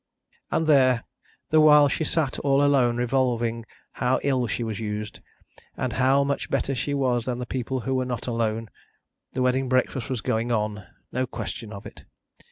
And there, the while she sat all alone revolving how ill she was used, and how much better she was than the people who were not alone, the wedding breakfast was going on: no question of it!